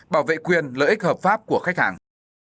bảo vệ quyền lợi ích hợp pháp của khách hàng